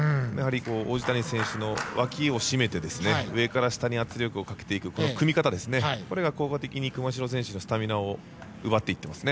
王子谷選手の脇を絞めて上から下に圧力をかけるこの組み方が効果的に熊代選手のスタミナを奪っていっていますね。